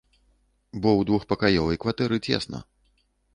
Бо ў двухпакаёвай кватэры цесна.